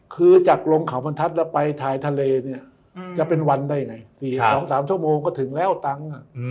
คือจากลงเขาบรรทัศน์แล้วไปทายทะเลเนี่ยจะเป็นวันได้ไง๔๒๓ชั่วโมงก็ถึงแล้วตังค์